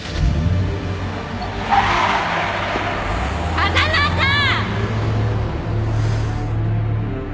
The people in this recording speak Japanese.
風間さん！